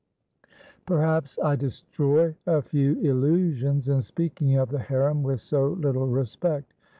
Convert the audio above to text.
"Perhaps I destroy a few illusions, in speaking of the harem with so little respect.